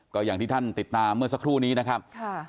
ก็อย่างที่ท่านติดตามเมื่อสักครู่นี้นะครับ